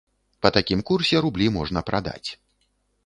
Па такім курсе рублі можна прадаць.